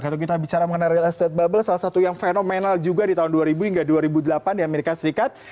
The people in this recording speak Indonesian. kalau kita bicara mengenai real estate bubble salah satu yang fenomenal juga di tahun dua ribu hingga dua ribu delapan di amerika serikat